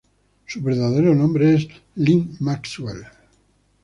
Su verdadero nombre es Lynn Maxwell.